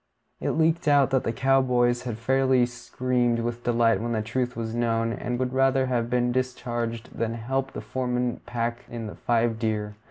It leaked out that the cow boys had fairly screamed with delight when the truth was known, and would rather have been discharged than help the foreman pack in the five deer.